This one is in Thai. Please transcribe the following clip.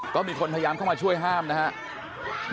ก็มีคนพยายามเข้ามาช่วยห้ามนะครับ